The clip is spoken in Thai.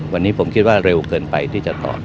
วันนี้ผมคิดว่าเร็วเกินไปที่จะตอบ